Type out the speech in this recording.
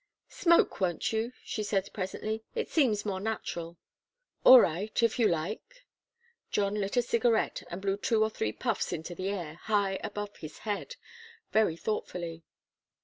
"Smoke, won't you?" she said presently. "It seems more natural." "All right if you like." John lit a cigarette and blew two or three puffs into the air, high above his head, very thoughtfully.